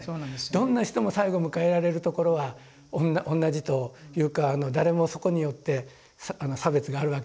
どんな人も最後迎えられるところは同じというか誰もそこによって差別があるわけではない。